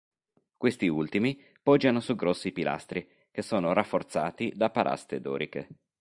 Questi ultimi poggiano su grossi pilastri, che sono rafforzati da paraste doriche.